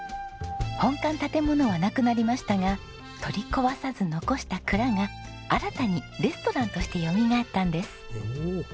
本館建物はなくなりましたが取り壊さず残した蔵が新たにレストランとしてよみがえったんです。